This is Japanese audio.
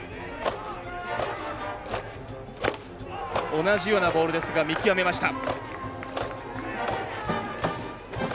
同じようなボールですが見極めました。